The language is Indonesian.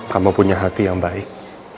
kamu punya hati yang baik